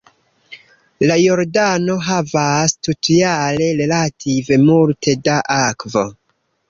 La Jordano havas tutjare relative multe da akvo.